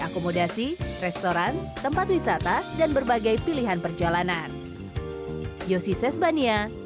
akomodasi restoran tempat wisata dan berbagai pilihan perjalanan